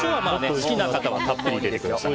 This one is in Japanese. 好きな方はたっぷり入れてください。